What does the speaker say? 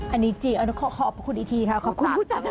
อันนี้จีบขอขอบคุณอีกทีครับขอบคุณผู้จัดเลย